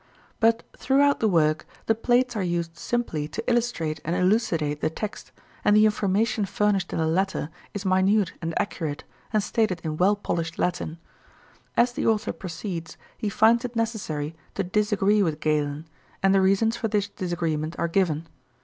But throughout the work the plates are used simply to illustrate and elucidate the text, and the information furnished in the latter is minute and accurate, and stated in well polished Latin. As the author proceeds, he finds it necessary to disagree with Galen, and the reasons for this disagreement are given.